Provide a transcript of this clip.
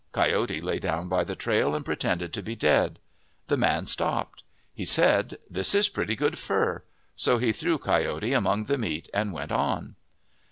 Coyote lay down by the trail and pretended to be dead. The man stopped. He said, " This is pretty good fur." So he threw Coyote among the meat and went on.